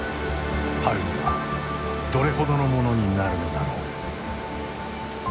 春にはどれほどのものになるのだろう。